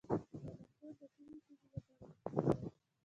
بدخشان د کومې تیږې لپاره مشهور دی؟